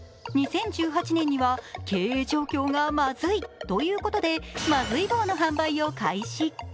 ２０１８年には、経営状況がまずいということで、まずい棒の販売を開始。